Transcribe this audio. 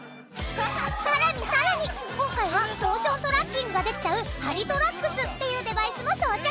さらにさらに今回はモーショントラッキングができちゃうＨａｒｉｔｏｒａＸっていうデバイスも装着。